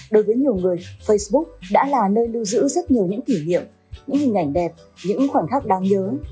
đối với nhiều người facebook đã là nơi lưu giữ rất nhiều những kỷ niệm những hình ảnh đẹp những khoảnh khắc đáng nhớ